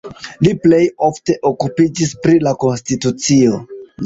Li plej ofte okupiĝis pri la konstitucio.